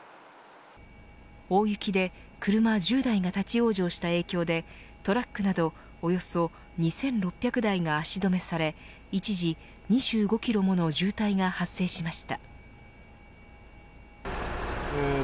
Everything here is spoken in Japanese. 大雪で車１０台が立ち往生した影響でトラックなどおよそ２６００台が足止めされ一時２５キロもの渋滞が発生しました。